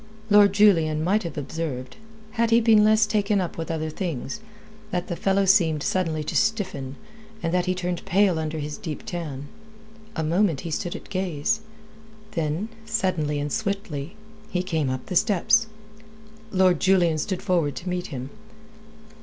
Lord Julian might have observed, had he been less taken up with other things, that the fellow seemed suddenly to stiffen, and that he turned pale under his deep tan. A moment he stood at gaze; then suddenly and swiftly he came up the steps. Lord Julian stood forward to meet him.